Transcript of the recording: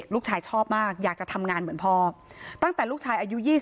ลูกชายชอบมากอยากจะทำงานเหมือนพ่อตั้งแต่ลูกชายอายุ๒๐